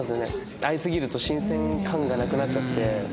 会いすぎると新鮮感がなくなっちゃって。